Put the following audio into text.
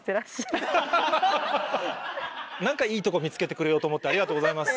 何かいいとこ見つけてくれようと思ってありがとうございます。